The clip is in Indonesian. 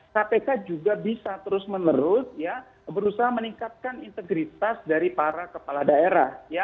kpk juga bisa terus menerus berusaha meningkatkan integritas dari para kepala daerah